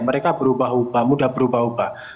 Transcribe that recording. mereka berubah ubah mudah berubah ubah